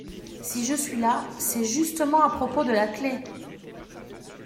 Si je suis là, c’est justement à propos de la clef !…